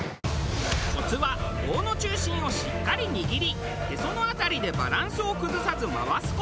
コツは棒の中心をしっかり握りへその辺りでバランスを崩さず回す事。